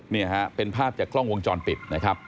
นี่ฮะเป็นภาพจากกล้องวงจรปิดนะครับ